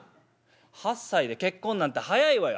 ８歳で結婚なんて早いわよ」。